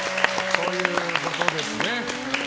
ということですね。